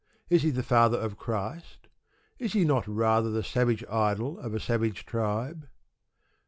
Is He the Father of Christ? Is He not rather the savage idol of a savage tribe?